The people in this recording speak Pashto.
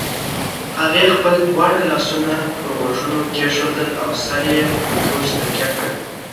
هغې خپل دواړه لاسونه پر غوږونو کېښودل او سر یې پر کوچ تکیه کړ.